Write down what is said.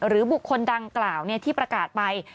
บุคคลดังกล่าวที่ประกาศไป